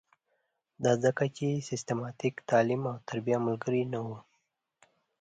دا ځکه چې سیستماتیک تعلیم او تربیه ملګرې نه وه.